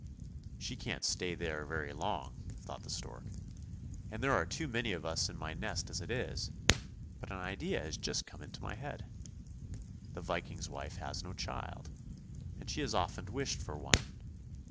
" She can't stay there very long," thought the stork; " and there are too many of us in my nest as it is, but an idea has just come into my head! The Viking's wife has no child, and she has often wished for one.